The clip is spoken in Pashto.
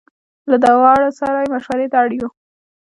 له دواړو سره یې مشوړې ته اړ یو.